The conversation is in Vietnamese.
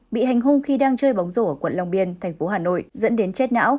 bị hành hung khi đang chơi bóng rổ ở quận long biên thành phố hà nội dẫn đến chết não